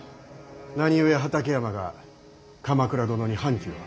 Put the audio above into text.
何故畠山が鎌倉殿に反旗を。